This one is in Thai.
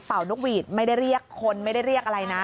นกหวีดไม่ได้เรียกคนไม่ได้เรียกอะไรนะ